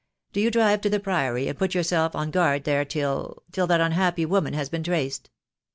Do you drive to the Priory and put yourself on guard there till — till that unhappy woman has been traced.